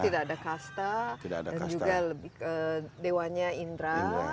jadi tidak ada kasta dan juga dewa nya indra